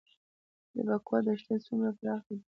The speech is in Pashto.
د بکوا دښته څومره پراخه ده؟